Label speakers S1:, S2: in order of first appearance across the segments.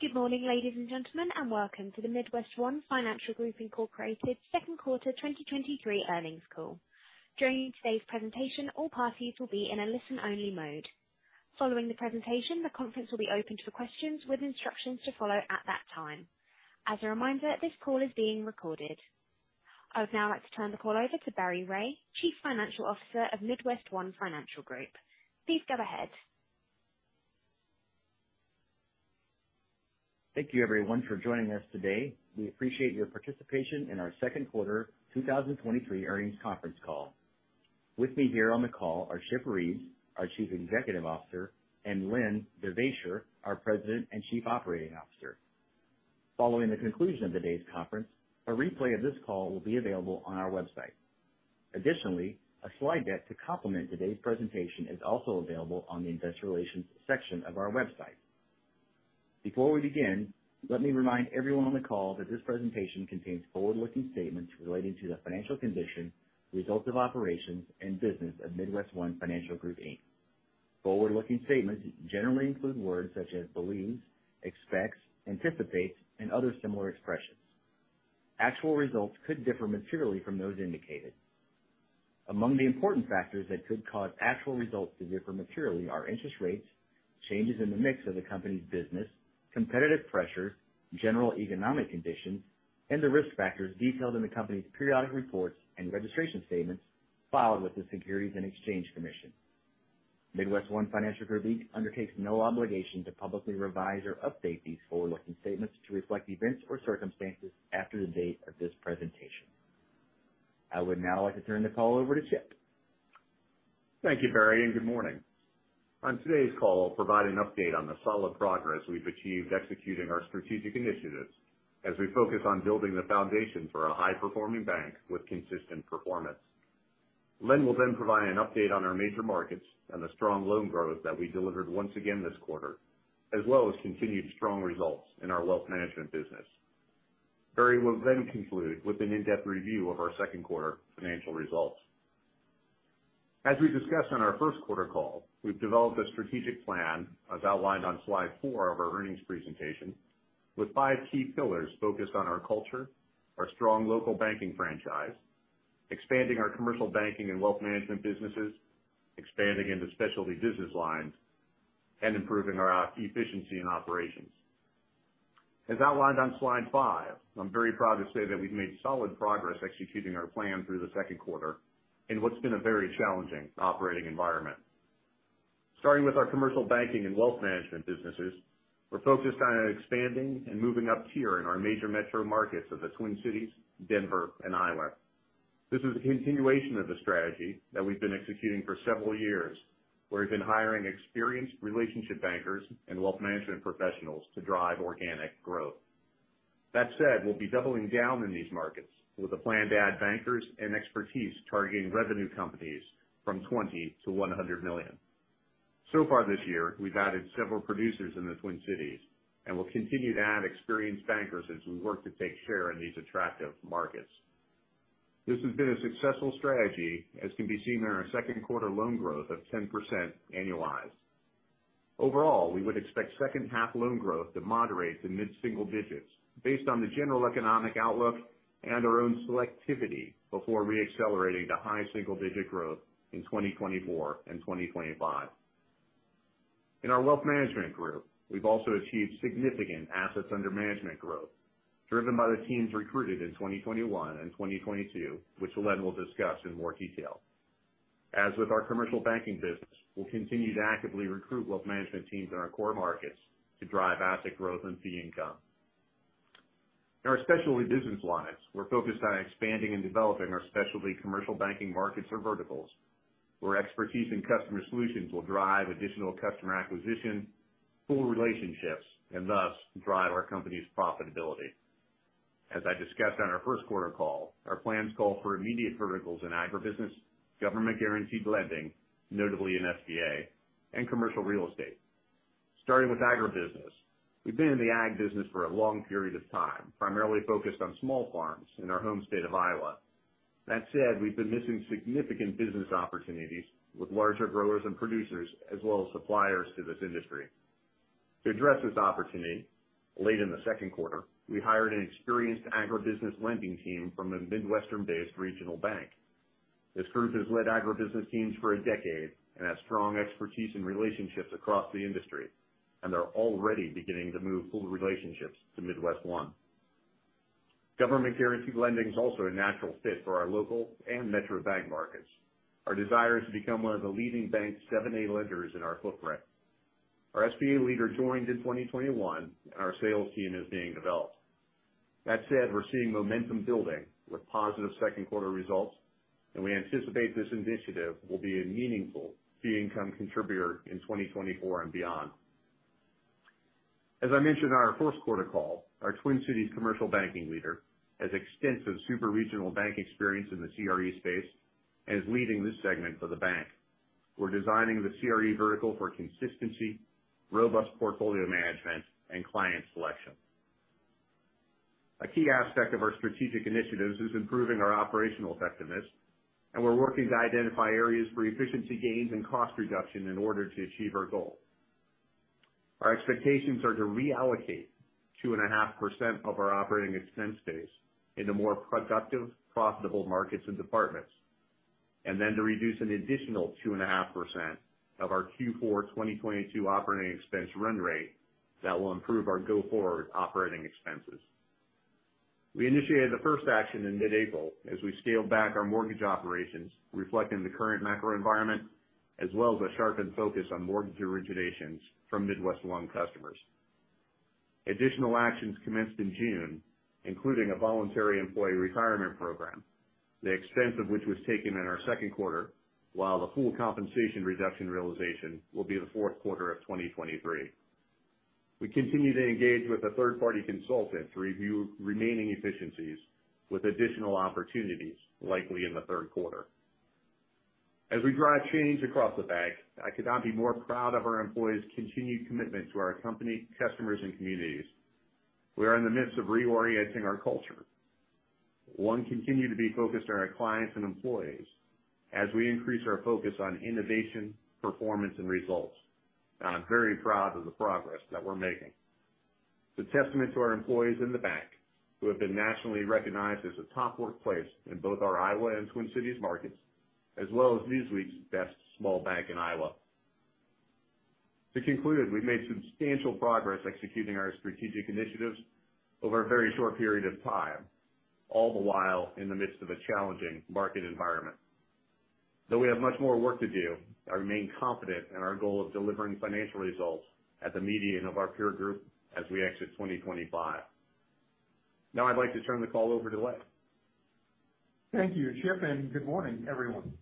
S1: Good morning, ladies and gentlemen, and welcome to the MidWestOne Financial Group Incorporated second quarter 2023 earnings call. During today's presentation, all parties will be in a listen-only mode. Following the presentation, the conference will be open to questions with instructions to follow at that time. As a reminder, this call is being recorded. I would now like to turn the call over to Barry Ray, Chief Financial Officer of MidWestOne Financial Group. Please go ahead.
S2: Thank you everyone for joining us today. We appreciate your participation in our second quarter 2023 earnings conference call. With me here on the call are Chip Reeves, our Chief Executive Officer, and Len Devaisher, our President and Chief Operating Officer. Following the conclusion of today's conference, a replay of this call will be available on our website. Additionally, a slide deck to complement today's presentation is also available on the investor relations section of our website. Before we begin, let me remind everyone on the call that this presentation contains forward-looking statements relating to the financial condition, results of operations, and business of MidWestOne Financial Group, Inc. Forward-looking statements generally include words such as believes, expects, anticipates, and other similar expressions. Actual results could differ materially from those indicated. Among the important factors that could cause actual results to differ materially are interest rates, changes in the mix of the company's business, competitive pressure, general economic conditions, and the risk factors detailed in the company's periodic reports and registration statements filed with the SEC. MidWestOne Financial Group undertakes no obligation to publicly revise or update these forward-looking statements to reflect events or circumstances after the date of this presentation. I would now like to turn the call over to Chip.
S3: Thank you, Barry. Good morning. On today's call, I'll provide an update on the solid progress we've achieved executing our strategic initiatives as we focus on building the foundation for a high-performing bank with consistent performance. Len will provide an update on our major markets and the strong loan growth that we delivered once again this quarter, as well as continued strong results in our wealth management business. Barry will conclude with an in-depth review of our second quarter financial results. As we discussed on our first quarter call, we've developed a strategic plan, as outlined on slide four of our earnings presentation, with five key pillars focused on our culture, our strong local banking franchise, expanding our commercial banking and wealth management businesses, expanding into specialty business lines, and improving our efficiency and operations. As outlined on slide five, I'm very proud to say that we've made solid progress executing our plan through the second quarter in what's been a very challenging operating environment. Starting with our commercial banking and wealth management businesses, we're focused on expanding and moving up tier in our major metro markets of the Twin Cities, Denver, and Iowa. This is a continuation of the strategy that we've been executing for several years, where we've been hiring experienced relationship bankers and wealth management professionals to drive organic growth. That said, we'll be doubling down in these markets with a plan to add bankers and expertise targeting revenue companies from $20 million-$100 million. So far this year, we've added several producers in the Twin Cities, and we'll continue to add experienced bankers as we work to take share in these attractive markets. This has been a successful strategy, as can be seen in our second quarter loan growth of 10% annualized. Overall, we would expect second half loan growth to moderate to mid-single digits based on the general economic outlook and our own selectivity before reaccelerating to high single digit growth in 2024 and 2025. In our wealth management group, we've also achieved significant assets under management growth, driven by the teams recruited in 2021 and 2022, which Len will discuss in more detail. As with our commercial banking business, we'll continue to actively recruit wealth management teams in our core markets to drive asset growth and fee income. In our specialty business lines, we're focused on expanding and developing our specialty commercial banking markets or verticals, where expertise and customer solutions will drive additional customer acquisition, full relationships, and thus drive our company's profitability. As I discussed on our first quarter call, our plans call for immediate verticals in agribusiness, government-guaranteed lending, notably in SBA, and commercial real estate. Starting with agribusiness, we've been in the agribusiness for a long period of time, primarily focused on small farms in our home state of Iowa. That said, we've been missing significant business opportunities with larger growers and producers, as well as suppliers to this industry. To address this opportunity, late in the second quarter, we hired an experienced agribusiness lending team from a Midwestern-based regional bank. This group has led agribusiness teams for a decade and has strong expertise and relationships across the industry, and they're already beginning to move full relationships to MidWestOne. Government guaranteed lending is also a natural fit for our local and metro bank markets. Our desire is to become one of the leading SBA 7(a) lenders in our footprint. Our SBA leader joined in 2021, and our sales team is being developed. That said, we're seeing momentum building with positive second quarter results, and we anticipate this initiative will be a meaningful fee income contributor in 2024 and beyond. As I mentioned on our first quarter call, our Twin Cities commercial banking leader has extensive super regional bank experience in the CRE space and is leading this segment for the bank. We're designing the CRE vertical for consistency, robust portfolio management, and client selection. A key aspect of our strategic initiatives is improving our operational effectiveness, and we're working to identify areas for efficiency gains and cost reduction in order to achieve our goal. Our expectations are to reallocate 2.5% of our operating expense base into more productive, profitable markets and departments, then to reduce an additional 2.5% of our Q4 2022 operating expense run rate that will improve our go-forward operating expenses. We initiated the first action in mid-April as we scaled back our mortgage operations, reflecting the current macro environment, as well as a sharpened focus on mortgage originations from MidWestOne customers. Additional actions commenced in June, including a voluntary employee retirement program, the expense of which was taken in our second quarter, while the full compensation reduction realization will be in the fourth quarter of 2023. We continue to engage with a third-party consultant to review remaining efficiencies with additional opportunities, likely in the third quarter. As we drive change across the bank, I could not be more proud of our employees' continued commitment to our company, customers, and communities. We are in the midst of reorienting our culture. One, continue to be focused on our clients and employees as we increase our focus on innovation, performance, and results. I'm very proud of the progress that we're making. It's a testament to our employees in the bank, who have been nationally recognized as a top workplace in both our Iowa and Twin Cities markets, as well as Newsweek's best small bank in Iowa. To conclude, we've made substantial progress executing our strategic initiatives over a very short period of time, all the while in the midst of a challenging market environment. Though we have much more work to do, I remain confident in our goal of delivering financial results at the median of our peer group as we exit 2025. Now I'd like to turn the call over to Len.
S4: Thank you, Chip, and good morning, everyone.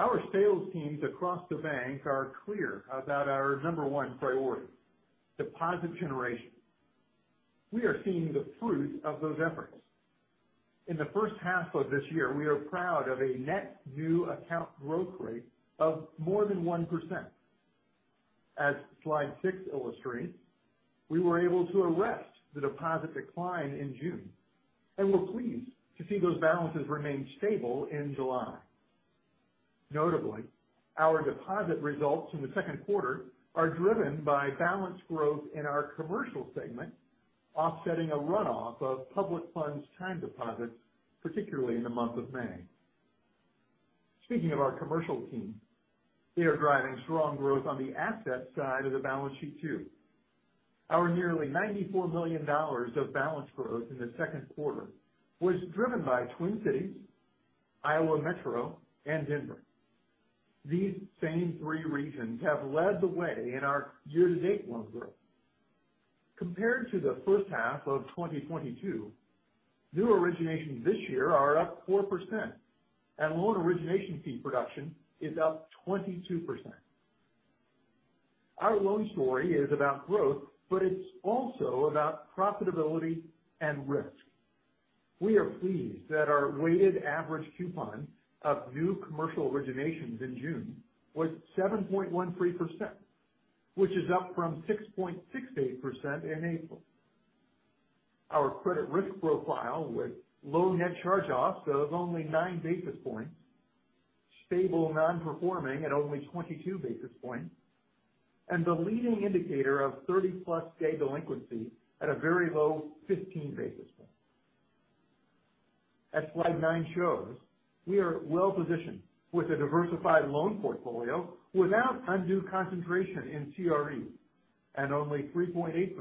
S4: Our sales teams across the bank are clear about our number one priority: deposit generation. We are seeing the fruit of those efforts. In the first half of this year, we are proud of a net new account growth rate of more than 1%. As slide six illustrates, we were able to arrest the deposit decline in June, and we're pleased to see those balances remain stable in July. Notably, our deposit results in the second quarter are driven by balance growth in our commercial segment, offsetting a runoff of public funds time deposits, particularly in the month of May. Speaking of our commercial team, they are driving strong growth on the asset side of the balance sheet too. Our nearly $94 million of balance growth in the second quarter was driven by Twin Cities, Iowa Metro, and Denver. These same three regions have led the way in our year-to-date loan growth. Compared to the first half of 2022, new originations this year are up 4%, and loan origination fee production is up 22%. Our loan story is about growth, but it's also about profitability and risk. We are pleased that our weighted average coupon of new commercial originations in June was 7.13%, which is up from 6.68% in April. Our credit risk profile, with low net charge-offs of only 9 basis points, stable non-performing at only 22 basis points, and the leading indicator of 30-plus day delinquency at a very low 15 basis points. As slide 9 shows, we are well positioned with a diversified loan portfolio without undue concentration in CRE, and only 3.8%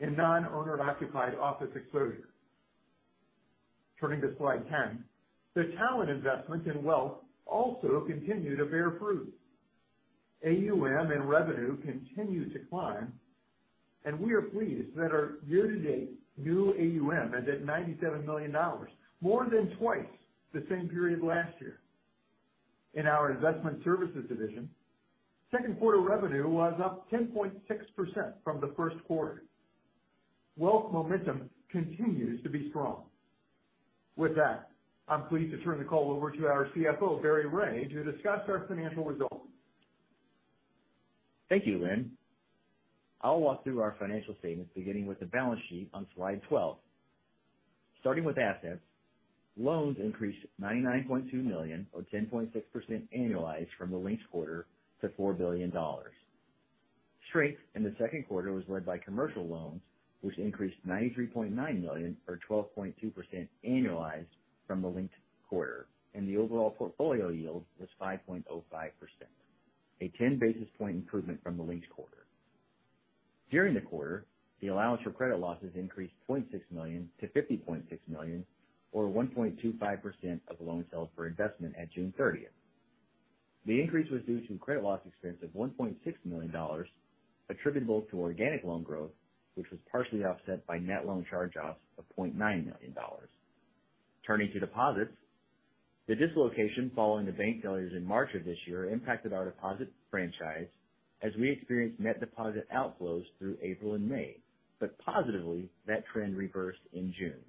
S4: in Non-Owner Occupied Office exposure. Turning to slide 10, the talent investment in Wealth also continued to bear fruit. AUM and revenue continue to climb. We are pleased that our year-to-date new AUM ended at $97 million, more than twice the same period last year. In our MidWestOne Investment Services division, second quarter revenue was up 10.6% from the first quarter. Wealth momentum continues to be strong. With that, I'm pleased to turn the call over to our CFO, Barry Ray, to discuss our financial results.
S2: Thank you, Len. I'll walk through our financial statements, beginning with the balance sheet on slide 12. Starting with assets, loans increased $99.2 million, or 10.6% annualized from the linked quarter to $4 billion. Strength in the second quarter was led by commercial loans, which increased $93.9 million, or 12.2% annualized from the linked quarter, and the overall portfolio yield was 5.05%, a 10 basis point improvement from the linked quarter. During the quarter, the Allowance for Credit Losses increased $0.6 million to $50.6 million, or 1.25% of the loans held for investment at June 30th. The increase was due to credit loss expense of $1.6 million, attributable to organic loan growth, which was partially offset by net loan charge-offs of $0.9 million. Turning to deposits, the dislocation following the bank failures in March of this year impacted our deposit franchise as we experienced net deposit outflows through April and May. Positively, that trend reversed in June.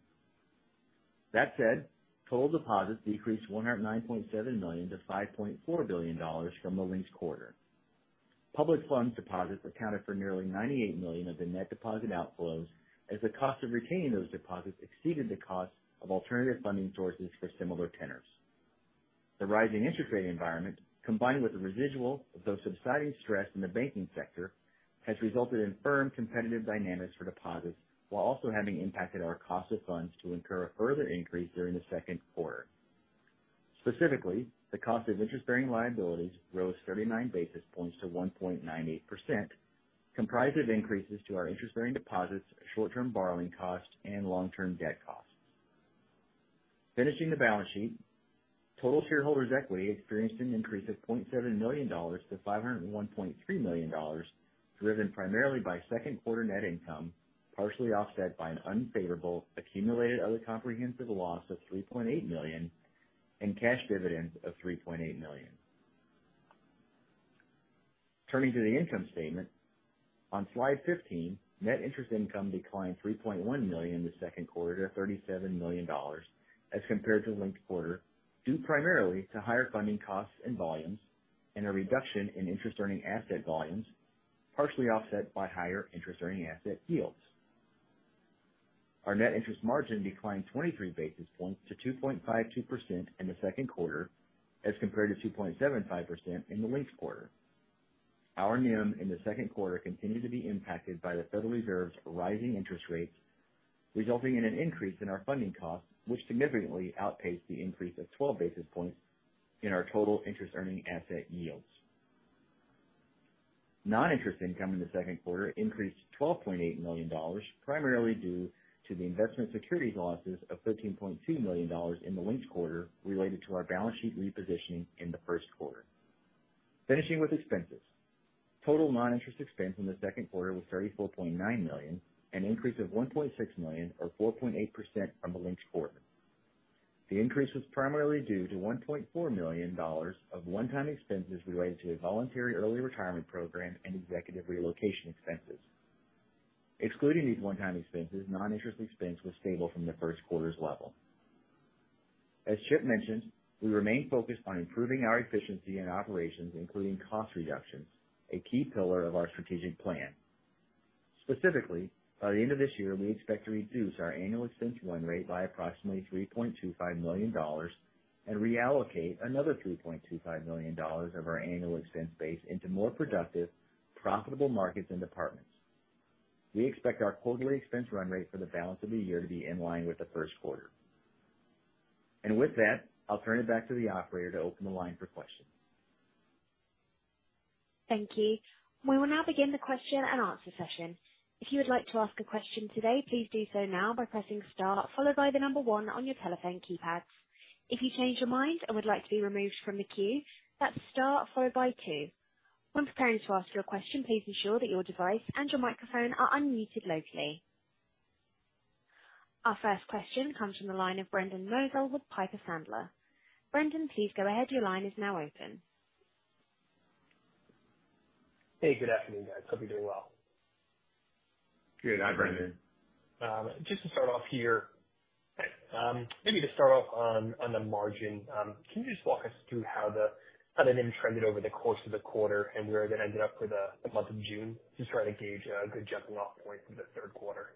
S2: That said, total deposits decreased $109.7 million to $5.4 billion from the linked quarter. Public funds deposits accounted for nearly $98 million of the net deposit outflows, as the cost of retaining those deposits exceeded the cost of alternative funding sources for similar tenors. The rising interest rate environment, combined with the residual, though subsiding stress in the banking sector, has resulted in firm competitive dynamics for deposits, while also having impacted our cost of funds to incur a further increase during the second quarter. Specifically, the cost of interest-bearing liabilities rose 39 basis points to 1.98%, comprised of increases to our interest-bearing deposits, short-term borrowing costs, and long-term debt costs. Finishing the balance sheet, total shareholders' equity experienced an increase of $0.7 million to $501.3 million, driven primarily by second quarter net income, partially offset by an unfavorable Accumulated Other Comprehensive Loss of $3.8 million and cash dividends of $3.8 million. Turning to the income statement. On slide 15, net interest income declined $3.1 million in the second quarter to $37 million as compared to linked quarter, due primarily to higher funding costs and volumes and a reduction in interest earning asset volumes, partially offset by higher interest earning asset yields. Our net interest margin declined 23 basis points to 2.52% in the second quarter, as compared to 2.75% in the linked quarter. Our NIM in the second quarter continued to be impacted by the Federal Reserve's rising interest rates, resulting in an increase in our funding costs, which significantly outpaced the increase of 12 basis points in our total interest earning asset yields. Non-interest income in the second quarter increased to $12.8 million, primarily due to the investment securities losses of $13.2 million in the linked quarter related to our balance sheet repositioning in the first quarter. Finishing with expenses. Total non-interest expense in the second quarter was $34.9 million, an increase of $1.6 million or 4.8% from the linked quarter. The increase was primarily due to $1.4 million of one-time expenses related to a voluntary early retirement program and executive relocation expenses. Excluding these one-time expenses, non-interest expense was stable from the first quarter's level. As Chip mentioned, we remain focused on improving our efficiency and operations, including cost reductions, a key pillar of our strategic plan. Specifically, by the end of this year, we expect to reduce our annual expense run rate by approximately $3.25 million and reallocate another $3.25 million of our annual expense base into more productive, profitable markets and departments. We expect our quarterly expense run rate for the balance of the year to be in line with the first quarter. With that, I'll turn it back to the operator to open the line for questions.
S1: Thank you. We will now begin the question and answer session. If you would like to ask a question today, please do so now by pressing star followed by the number one on your telephone keypads. If you change your mind and would like to be removed from the queue, that's star followed by two. When preparing to ask your question, please ensure that your device and your microphone are unmuted locally. Our first question comes from the line of Brendan Nosal with Piper Sandler. Brendan, please go ahead. Your line is now open.
S5: Hey, good afternoon, guys. Hope you're doing well.
S2: Good. Hi, Brendan.
S5: Just to start off here, maybe to start off on, on the margin, can you just walk us through how the NIM trended over the course of the quarter and where that ended up for the month of June, just try to gauge a good jumping off point for the third quarter?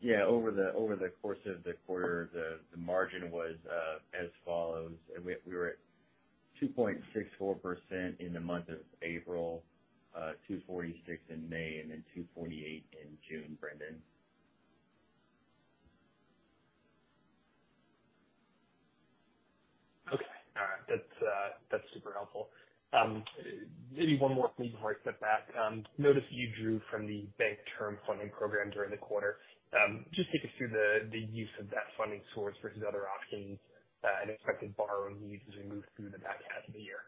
S2: Yeah, over the, over the course of the quarter, the, the margin was as follows, and we, we were at 2.64% in the month of April, 2.46% in May, and then 2.48% in June, Brendan.
S5: Okay. All right. That's super helpful. Maybe one more for me before I step back. Noticed you drew from the Bank Term Funding Program during the quarter. Just take us through the use of that funding source versus other options, and expected borrowing needs as we move through the back half of the year.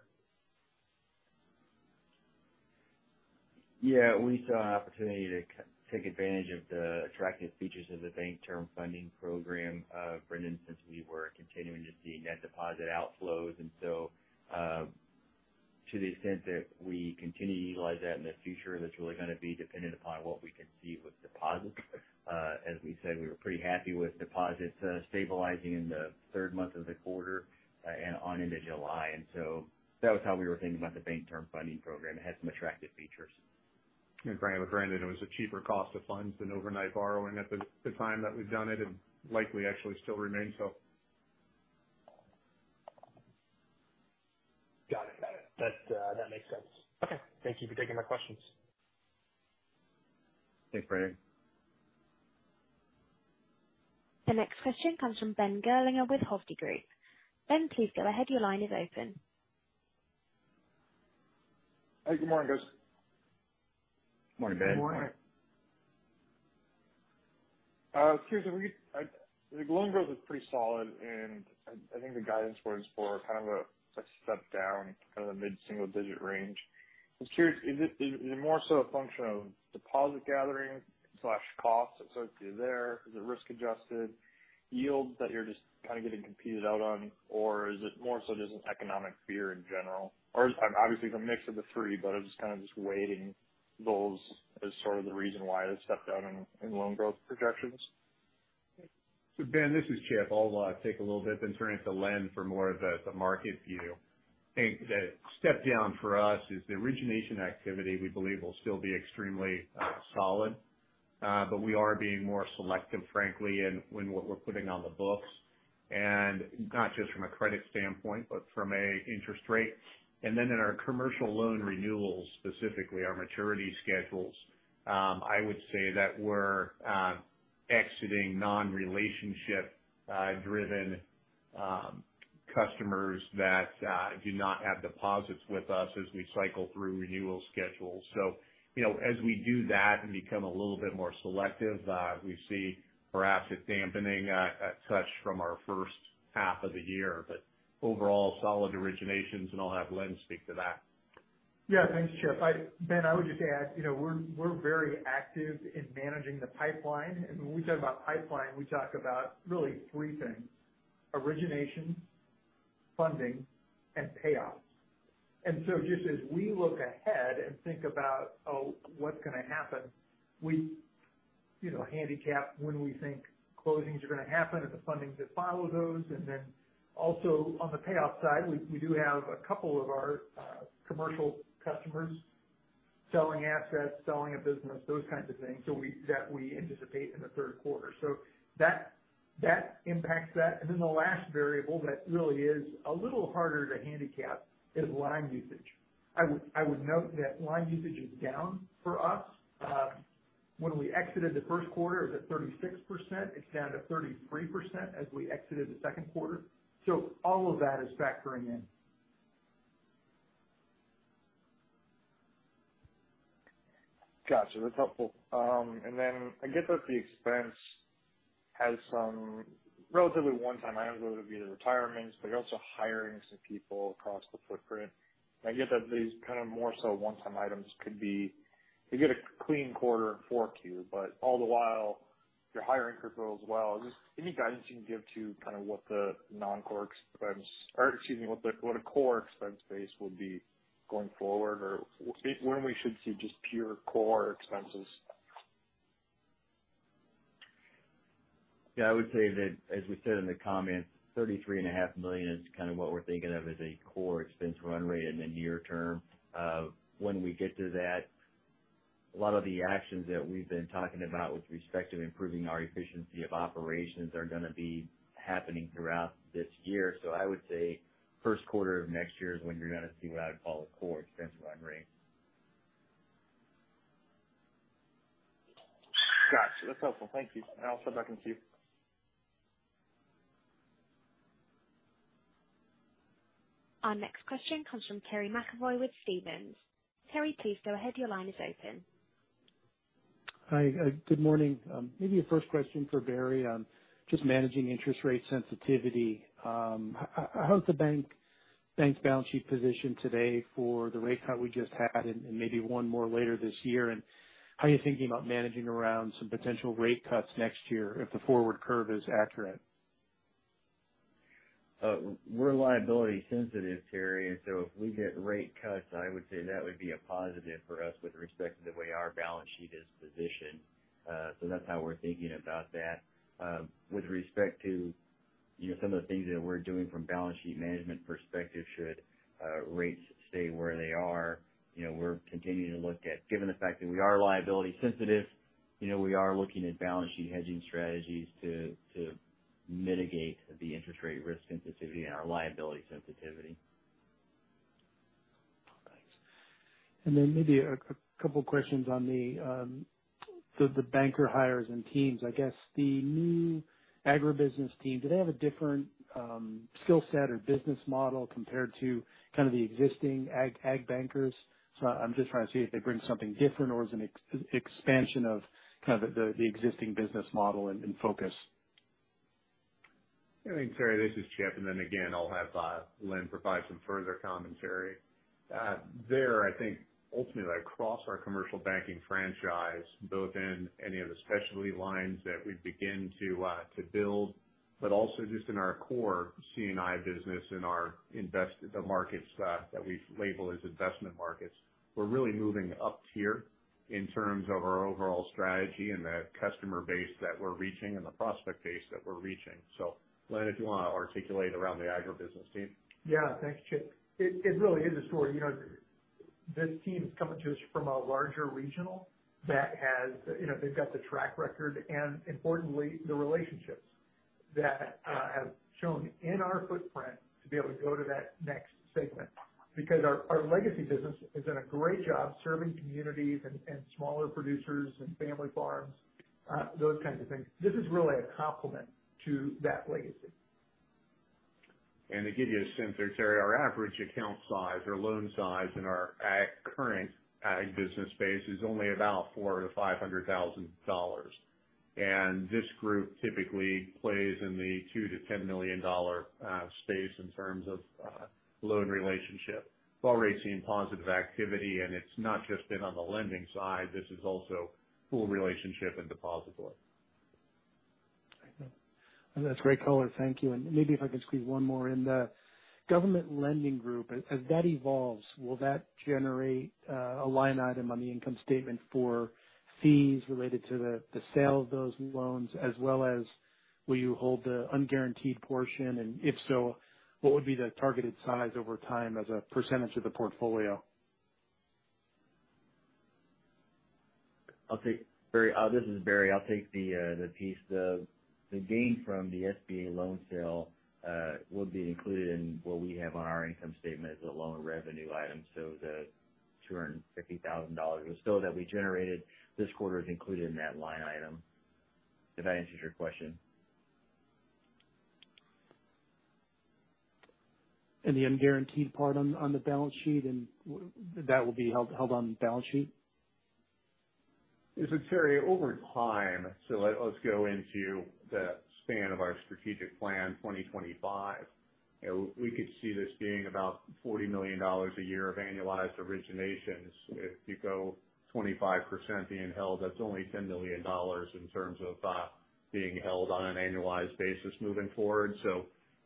S2: Yeah, we saw an opportunity to take advantage of the attractive features of the Bank Term Funding Program, Brendan, since we were continuing to see net deposit outflows. And so, to the extent that we continue to utilize that in the future, that's really going to be dependent upon what we can see with deposits. As we said, we were pretty happy with deposits, stabilizing in the third month of the quarter, and on into July. And so that was how we were thinking about the Bank Term Funding Program. It had some attractive features.
S3: Granted, it was a cheaper cost of funds than overnight borrowing at the time that we've done it, and likely actually still remains so.
S5: Got it. Got it. That, that makes sense. Okay. Thank you for taking my questions.
S2: Thanks, Brendan.
S1: The next question comes from Ben Gerlinger with Hovde Group. Ben, please go ahead. Your line is open.
S6: Hey, good morning, guys.
S2: Morning, Ben.
S3: Good morning.
S6: Curious if we could-- the loan growth is pretty solid, and I, I think the guidance was for kind of a, a step down from the mid-single-digit range. I was curious, is it, is it more so a function of deposit gathering slash cost associated there? Is it risk-adjusted yields that you're just kind of getting competed out on? Or is it more so just an economic fear in general? Or obviously, it's a mix of the 3, but I'm just kind of just weighing those as sort of the reason why it stepped down in, in loan growth projections.
S3: Ben, this is Chip. I'll take a little bit then turn it to Len for more of the, the market view. I think the step down for us is the origination activity we believe will still be extremely solid. We are being more selective, frankly, in when, what we're putting on the books, and not just from a credit standpoint, but from a interest rate. In our commercial loan renewals, specifically our maturity schedules, I would say that we're exiting non-relationship driven customers that do not have deposits with us as we cycle through renewal schedules. You know, as we do that and become a little bit more selective, we see perhaps a dampening a touch from our first half of the year, but overall solid originations, and I'll have Len speak to that.
S4: Yeah, thanks, Chip. Ben, I would just add, you know, we're, we're very active in managing the pipeline, and when we talk about pipeline, we talk about really three things: origination, funding, and payoffs. So just as we look ahead and think about, oh, what's gonna happen, we, you know, handicap when we think closings are gonna happen and the fundings that follow those. Then also, on the payoff side, we, we do have a couple of our commercial customers selling assets, selling a business, those kinds of things. So that we anticipate in the third quarter. So that, that impacts that. Then the last variable that really is a little harder to handicap is line usage. I would, I would note that line usage is down for us. When we exited the first quarter, it was at 36%. It's down to 33% as we exited the second quarter. All of that is factoring in.
S6: Gotcha. That's helpful. I get that the expense has some relatively one-time items, whether it be the retirements, but you're also hiring some people across the footprint. I get that these kind of more so one-time items could be to get a clean quarter in 4Q, but all the while, you're hiring for growth as well. Just any guidance you can give to kind of what the non-core expense, or excuse me, what the, what a core expense base will be going forward? When we should see just pure core expenses?
S2: Yeah, I would say that, as we said in the comments, $33.5 million is kind of what we're thinking of as a core expense run rate in the near term. When we get to that, a lot of the actions that we've been talking about with respect to improving our efficiency of operations are gonna be happening throughout this year. I would say first quarter of next year is when you're gonna see what I'd call a core expense run rate.
S6: Gotcha. That's helpful. Thank you. I'll send it back to you.
S1: Our next question comes from Terry McEvoy with Stephens. Terry, please go ahead. Your line is open.
S7: Hi, good morning. Maybe a first question for Barry on just managing interest rate sensitivity. How's the bank's balance sheet positioned today for the rate cut we just had and, and maybe 1 more later this year? How are you thinking about managing around some potential rate cuts next year if the forward curve is accurate?
S2: We're liability sensitive, Terry, and so if we get rate cuts, I would say that would be a positive for us with respect to the way our balance sheet is positioned. That's how we're thinking about that. With respect to, you know, some of the things that we're doing from balance sheet management perspective should rates stay where they are, you know, we're continuing to look at... Given the fact that we are liability sensitive, you know, we are looking at balance sheet hedging strategies to, to mitigate the interest rate risk sensitivity and our liability sensitivity.
S7: Thanks. Then maybe a couple questions on the, the banker hires and teams. I guess the new agribusiness team, do they have a different skill set or business model compared to kind of the existing ag bankers? I'm just trying to see if they bring something different or is it an expansion of kind of the, the existing business model and focus.
S3: Hey, Terry, this is Chip, then again, I'll have Len provide some further commentary. There, I think ultimately across our commercial banking franchise, both in any of the specialty lines that we begin to build, also just in our core C&I business and our invest- the markets that we label as investment markets, we're really moving up tier in terms of our overall strategy and the customer base that we're reaching and the prospect base that we're reaching. Len, if you want to articulate around the agribusiness team.
S4: Yeah. Thanks, Chip. It, it really is a story. You know, this team's coming to us from a larger regional that has, you know, they've got the track record and importantly, the relationships that have shown in our footprint to be able to go to that next segment. Because our, our legacy business has done a great job serving communities and, and smaller producers and family farms, those kinds of things. This is really a complement to that legacy.
S3: To give you a sense there, Terry, our average account size or loan size in our ag- current ag business base is only about $400,000-$500,000. This group typically plays in the $2 million-$10 million space in terms of loan relationship, while we're seeing positive activity. It's not just been on the lending side, this is also full relationship and depository.
S7: Okay. That's great color. Thank you. Maybe if I can squeeze one more in there.... Government lending group, as that evolves, will that generate a line item on the income statement for fees related to the sale of those loans, as well as will you hold the unguaranteed portion? If so, what would be the targeted size over time as a percentage of the portfolio?
S2: I'll take Barry, this is Barry. I'll take the piece. The gain from the SBA loan sale will be included in what we have on our income statement as a loan revenue item. So the $250,000 or so that we generated this quarter is included in that line item. Did I answer your question?
S7: the unguaranteed part on, on the balance sheet, that will be held, held on the balance sheet?
S3: This is Terry. Over time, let's go into the span of our strategic plan, 2025. You know, we could see this being about $40 million a year of annualized originations. If you go 25% being held, that's only $10 million in terms of being held on an annualized basis moving forward.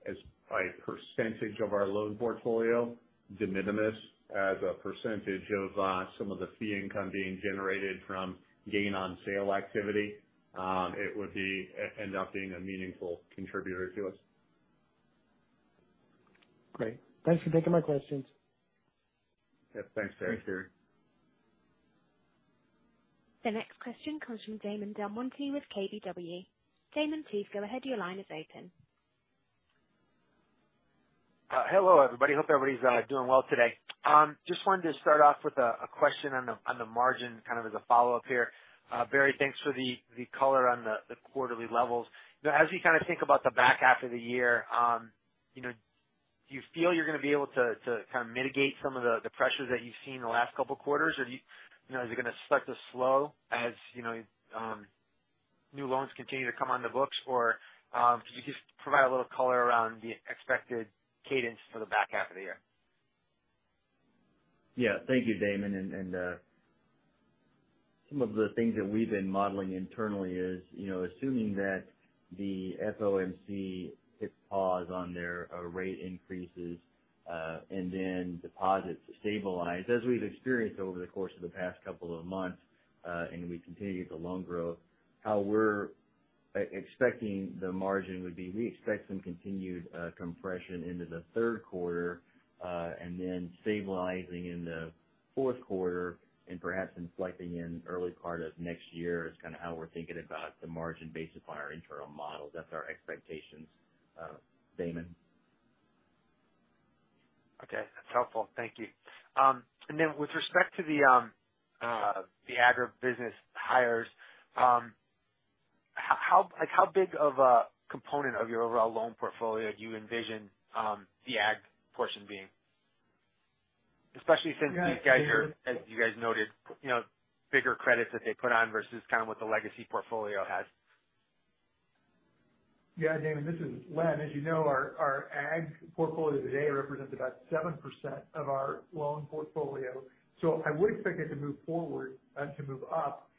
S3: As by percentage of our loan portfolio, de minimis. As a percentage of some of the fee income being generated from gain on sale activity, it would be end up being a meaningful contributor to us.
S7: Great. Thanks for taking my questions.
S3: Yep, thanks, Terry.
S2: Thanks, Terry.
S1: The next question comes from Damon Del Monte with KBW. Damon, please go ahead. Your line is open.
S8: Hello, everybody. Hope everybody's doing well today. Just wanted to start off with a question on the margin, kind of as a follow-up here. Barry, thanks for the color on the quarterly levels. Now, as we kind of think about the back half of the year, you know, do you feel you're going to be able to kind of mitigate some of the pressures that you've seen in the last couple quarters? Or do you know, is it going to start to slow as, you know, new loans continue to come on the books? Or, could you just provide a little color around the expected cadence for the back half of the year?
S2: Yeah, thank you, Damon. Some of the things that we've been modeling internally is, you know, assuming that the FOMC hits pause on their rate increases, and then deposits stabilize, as we've experienced over the course of the past couple of months, and we continue the loan growth, how we're expecting the margin would be, we expect some continued compression into the third quarter, and then stabilizing in the fourth quarter and perhaps inflecting in early part of next year, is kind of how we're thinking about the margin based upon our internal model. That's our expectations, Damon.
S8: Okay, that's helpful. Thank you. With respect to the agribusiness hires, how, like how big of a component of your overall loan portfolio do you envision the ag portion being? Especially since these guys are, as you guys noted, you know, bigger credits that they put on versus kind of what the legacy portfolio has.
S4: Yeah, Damon, this is Len. As you know, our, our ag portfolio today represents about 7% of our loan portfolio, so I would expect it to move forward, and to move up.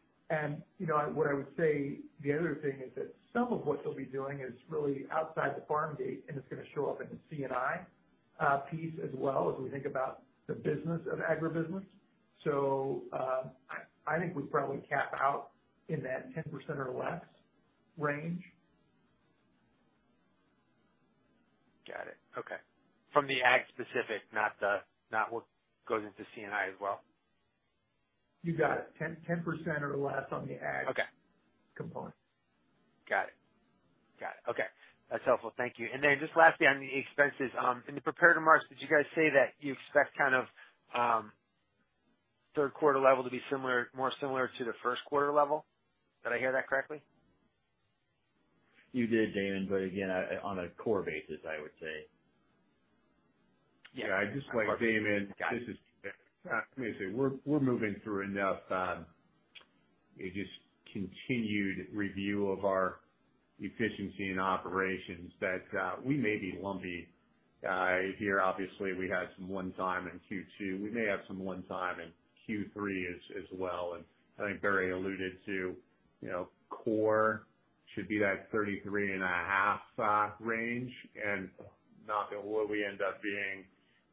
S4: You know, what I would say, the other thing is that some of what they'll be doing is really outside the farm gate, and it's going to show up in the C&I piece as well, as we think about the business of agribusiness. I, I think we probably cap out in that 10% or less range.
S8: Got it. Okay. From the ag specific, not the, not what goes into C&I as well.
S4: You got it. 10, 10% or less on the ag-
S8: Okay.
S4: -component.
S8: Got it. Got it. Okay, that's helpful. Thank you. Just lastly, on the expenses, in the prepared remarks, did you guys say that you expect kind of, third quarter level to be similar, more similar to the first quarter level? Did I hear that correctly?
S2: You did, Damon, but again, on a core basis, I would say.
S8: Yeah.
S3: Yeah. I just like Damon.
S8: Got it.
S3: This is... Let me say, we're, we're moving through enough just continued review of our efficiency and operations that we may be lumpy. Here, obviously we had some one time in Q2, we may have some one time in Q3 as, as well. I think Barry alluded to, you know, core should be that 33.5 range, and not what we end up being,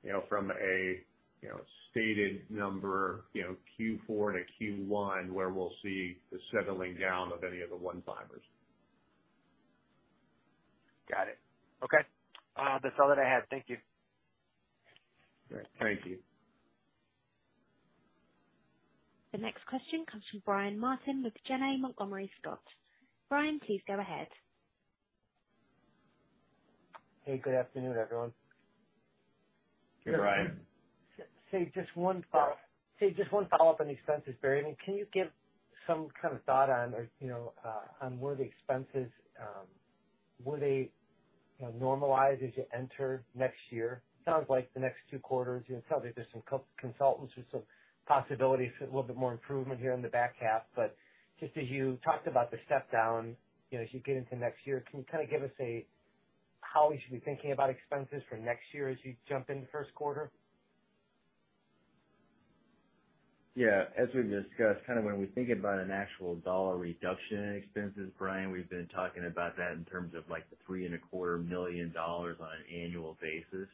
S3: you know, from a, you know, stated number, you know, Q4 to Q1, where we'll see the settling down of any of the one-timers.
S8: Got it. Okay. That's all that I have. Thank you.
S2: Great.
S3: Thank you.
S1: The next question comes from Brian Martin with Janney Montgomery Scott. Brian, please go ahead.
S9: Hey, good afternoon, everyone.
S3: Hey, Brian.
S9: Just one follow-up on the expenses, Barry. I mean, can you give some kind of thought on or, you know, on where the expenses, will they, you know, normalize as you enter next year? Sounds like the next two quarters, you know, probably just some consultants with some possibilities for a little bit more improvement here in the back half. Just as you talked about the step down, you know, as you get into next year, can you kind of give us how we should be thinking about expenses for next year as you jump into the first quarter?
S2: Yeah, as we've discussed, kind of when we think about an actual dollar reduction in expenses, Brian, we've been talking about that in terms of, like, the $3.25 million on an annual basis.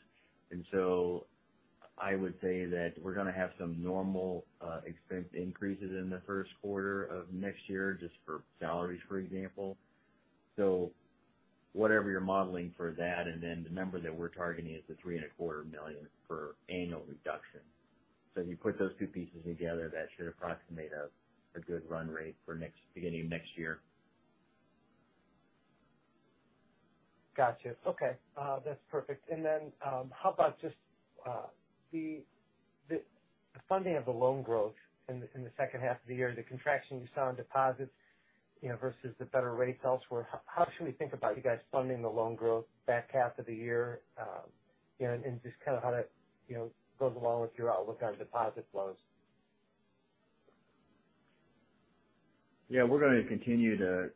S2: I would say that we're gonna have some normal expense increases in the first quarter of next year, just for salaries, for example. Whatever you're modeling for that, and then the number that we're targeting is the $3.25 million for annual reduction. If you put those two pieces together, that should approximate a good run rate for next, beginning of next year.
S9: Gotcha. Okay. That's perfect. Then, how about just, the, the, the funding of the loan growth in the, in the second half of the year, the contraction you saw in deposits, you know, versus the better rates elsewhere, how should we think about you guys funding the loan growth back half of the year? You know, and just kind of how that, you know, goes along with your outlook on deposit flows.
S2: Yeah, we're going to continue to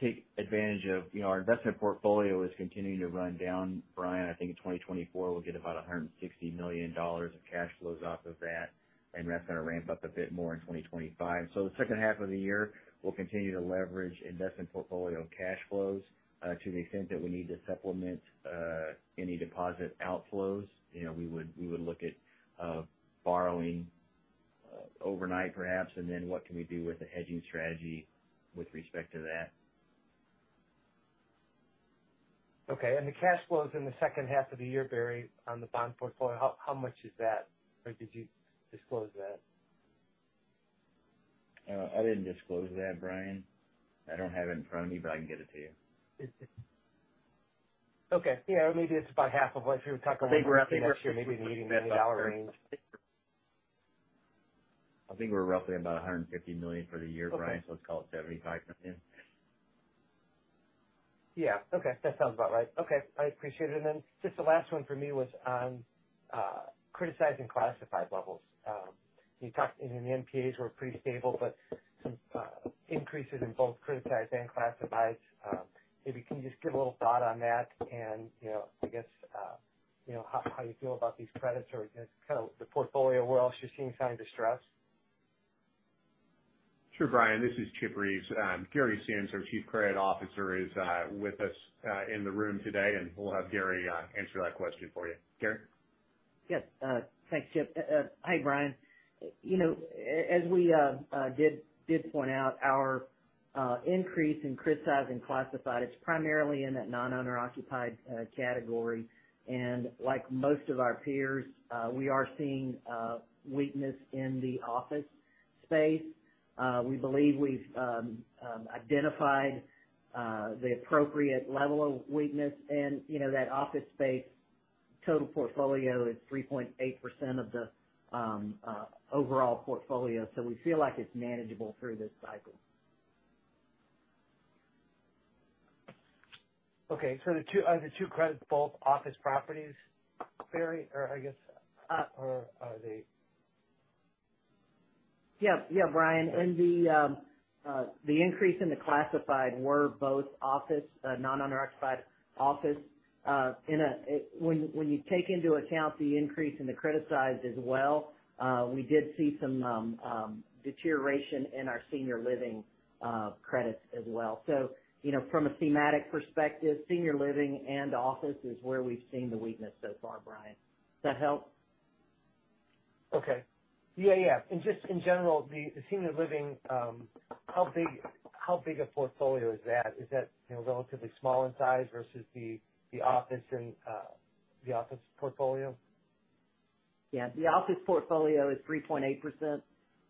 S2: take advantage of, you know, our investment portfolio is continuing to run down, Brian. I think in 2024 we'll get about $160 million of cash flows off of that, and that's going to ramp up a bit more in 2025. The second half of the year, we'll continue to leverage investment portfolio cash flows to the extent that we need to supplement any deposit outflows. You know, we would, we would look at borrowing overnight, perhaps, and then what can we do with a hedging strategy with respect to that?
S9: Okay. The cash flows in the second half of the year, Barry, on the bond portfolio, how, how much is that? Or did you disclose that?
S2: I didn't disclose that, Brian. I don't have it in front of me, but I can get it to you.
S9: Okay. Yeah, maybe it's about half of what you were talking about.
S2: I think we're roughly-
S9: Maybe in the $80 million range.
S2: I think we're roughly about $150 million for the year, Brian, so let's call it $75 million.
S9: Yeah. Okay, that sounds about right. Okay, I appreciate it. Then just the last one for me was on criticizing classified levels. You talked, and the NPAs were pretty stable, but some increases in both criticized and classified. Maybe you can just give a little thought on that and, you know, I guess, you know, how, how you feel about these credits or I guess kind of the portfolio, where else you're seeing signs of distress?
S3: Sure, Brian, this is Chip Reeves. Gary Sims, our Chief Credit Officer, is with us in the room today. We'll have Gary answer that question for you. Gary?
S10: Yes, thanks, Chip. Hi, Brian. You know, as we did, did point out, our increase in criticized and classified, it's primarily in that Non-Owner Occupied category. Like most of our peers, we are seeing weakness in the office space. We believe we've identified the appropriate level of weakness. You know, that office space total portfolio is 3.8% of the overall portfolio. We feel like it's manageable through this cycle.
S9: Okay. Are the 2 credits both office properties, Barry? I guess, or are they-?
S10: Yeah. Yeah, Brian, the increase in the classified were both office, Non-Owner Occupied Office. When you take into account the increase in the criticized as well, we did see some deterioration in our Senior Living credits as well. You know, from a thematic perspective, Senior Living and office is where we've seen the weakness so far, Brian. Does that help?
S9: Okay. Yeah, yeah. Just in general, the, the Senior Living, how big, how big a portfolio is that? Is that, you know, relatively small in size versus the, the office and, the office portfolio?
S10: Yeah, the office portfolio is 3.8%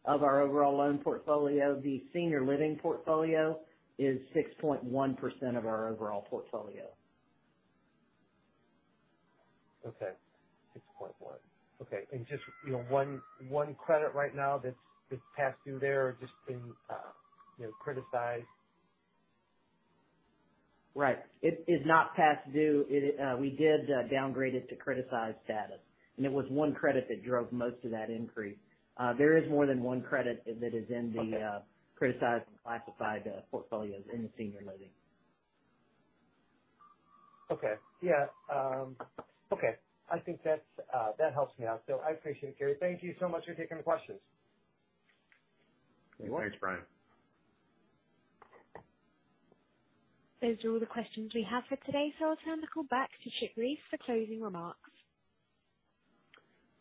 S10: of our overall loan portfolio. The Senior Living portfolio is 6.1% of our overall portfolio.
S9: Okay, 6.1. Okay. Just, you know, one, one credit right now that's, that's past due there or just in, you know, criticized?
S10: Right. It is not past due. It, we did downgrade it to criticized status, and it was 1 credit that drove most of that increase. There is more than 1 credit that is in the.
S9: Okay...
S10: criticized and classified, portfolios in the Senior Living.
S9: Okay. Yeah, okay. I think that's that helps me out. I appreciate it, Gary. Thank you so much for taking the questions.
S3: Thanks, Brian.
S1: Those are all the questions we have for today, so I'll turn the call back to Chip Reeves for closing remarks.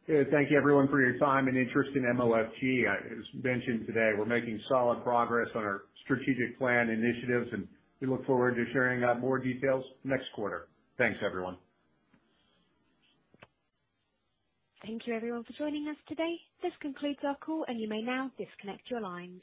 S3: Good. Thank you, everyone, for your time and interest in MOFG. As mentioned today, we're making solid progress on our strategic plan initiatives, and we look forward to sharing more details next quarter. Thanks, everyone.
S1: Thank you, everyone, for joining us today. This concludes our call, and you may now disconnect your lines.